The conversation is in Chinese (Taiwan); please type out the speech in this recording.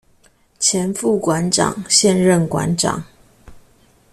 前副館長、現任館長